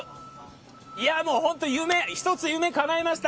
本当に夢１つの夢がかないました。